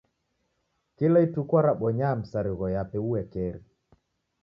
Kila ituku warabonya misarigho yape uekeri.